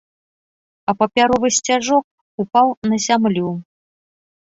А папяровы сцяжок упаў на зямлю.